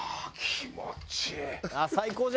気持ちいい！